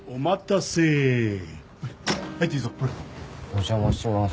お邪魔します。